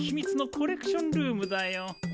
コレクションルーム？